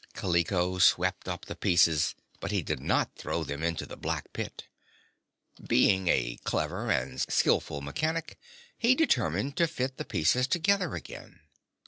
Kaliko swept up the pieces, but he did not throw them into the black pit. Being a clever and skillful mechanic he determined to fit the pieces together again.